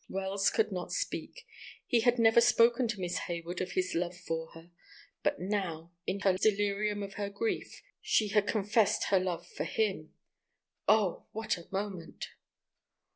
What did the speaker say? Wells could not speak. He had never spoken to Miss Hayward of his love for her; but now, in the delirium of her grief, she had confessed her love for him. Oh, what a moment!